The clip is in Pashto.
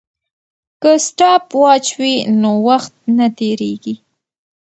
که سټاپ واچ وي نو وخت نه تېریږي.